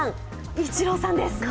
イチローさんです。